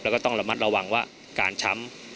แล้วก็ต้องระมัดระวังว่าการช้ำ